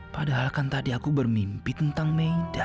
padahalkan tadi aku bermimpi tentang meida